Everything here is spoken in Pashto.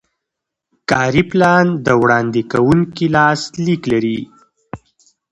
کاري پلان د وړاندې کوونکي لاسلیک لري.